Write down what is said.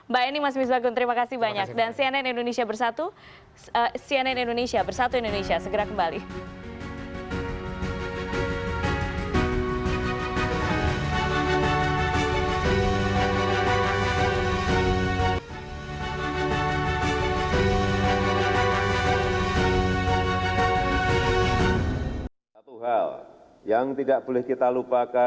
mbak eni mas miswakun terima kasih banyak